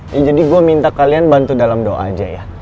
iya jadi gue minta kalian bantu dalam doa aja ya